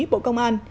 bộ công an